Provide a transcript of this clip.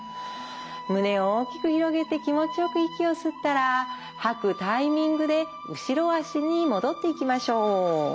胸を大きく広げて気持ちよく息を吸ったら吐くタイミングで後ろ足に戻っていきましょう。